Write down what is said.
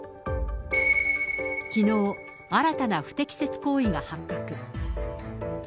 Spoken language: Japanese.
きのう、新たな不適切行為が発覚。